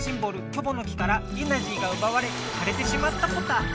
「キョボの木」からエナジーがうばわれかれてしまったポタ。